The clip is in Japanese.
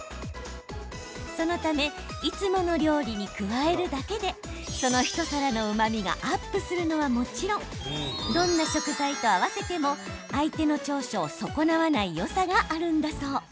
そのためいつもの料理に加えるだけでその一皿のうまみがアップするのはもちろんどんな食材と合わせても相手の長所を損なわないよさがあるんだそう。